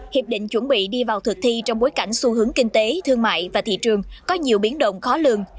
hiệp định chuẩn bị đi vào thực thi trong bối cảnh xu hướng kinh tế thương mại và thị trường có nhiều biến động khó lường